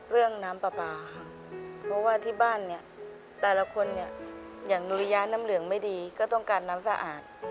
น้ำปลาปลาค่ะเพราะว่าที่บ้านเนี่ยแต่ละคนเนี่ยอย่างนุริยะน้ำเหลืองไม่ดีก็ต้องการน้ำสะอาด